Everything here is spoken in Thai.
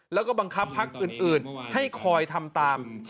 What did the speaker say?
แล้วก็บังคับพักอื่นให้คอยทำตาม